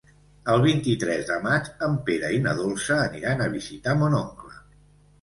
El vint-i-tres de maig en Pere i na Dolça aniran a visitar mon oncle.